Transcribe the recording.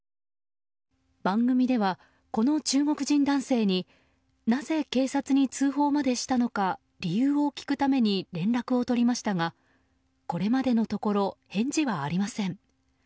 番組では、この中国人男性になぜ警察に通報までしたのか理由を聞くために連絡を取りましたがこれまでのところ返事はありません。